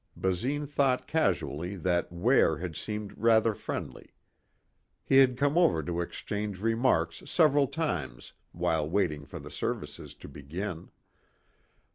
Basine thought casually that Ware had seemed rather friendly. He had come over to exchange remarks several times while waiting for the services to begin.